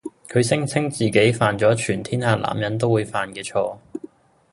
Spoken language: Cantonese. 佢聲稱自己犯咗全天下男人都會犯嘅錯